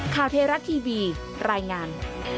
ค่าเทราะห์ทีวีรายงาน